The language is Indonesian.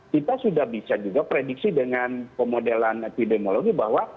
kita sudah bisa juga prediksi dengan pemodelan epidemiologi bahwa